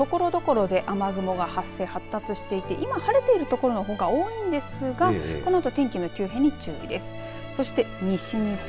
東日本はところどころで雨雲が発生、発達していて今晴れているところの方が多いんですがこのあと天気の急変に注意です。